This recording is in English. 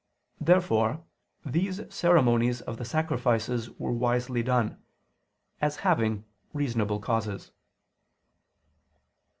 Therefore these ceremonies of the sacrifices were wisely done, as having reasonable causes.